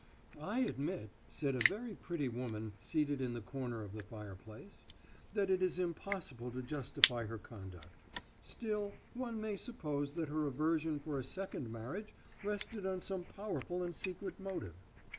"I admit," said a very pretty woman seated in the corner of the fireplace, "that it is impossible to justify her conduct. Still, one may suppose that her aversion for a second marriage rested on some powerful and secret motive.